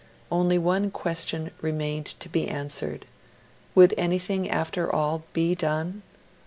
Only one question remained to be answered would anything, after all, be done?